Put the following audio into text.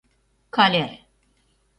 Калер!